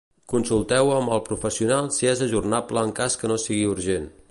Consulteu amb el professional si és ajornable en cas que no sigui urgent.